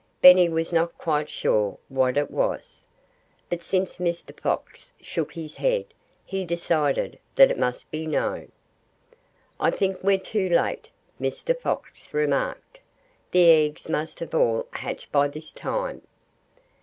Benny was not quite sure which it was. But since Mr. Fox shook his head, he decided that it must be "No." "I think we're too late," Mr. Fox remarked. "The eggs must have all hatched by this time."